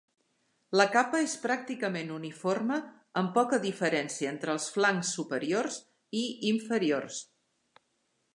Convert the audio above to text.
La capa és pràcticament uniforme amb poca diferència entre els flancs superiors i inferiors.